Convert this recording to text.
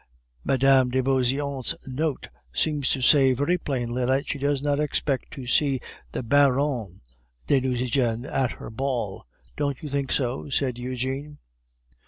"Mme. de Beauseant's note seems to say very plainly that she does not expect to see the Baron de Nucingen at her ball; don't you think so?" said Eugene.